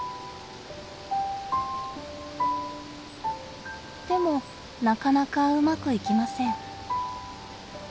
でもなかなかうまくいきません。